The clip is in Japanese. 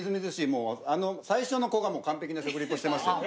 もう最初の子が完璧な食リポしてましたよ